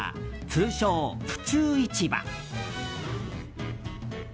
通称、府中市場。